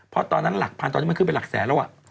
เพราะตอนนั้นหลักพันตอนนี้มันขึ้นไปหลักแสนแล้ว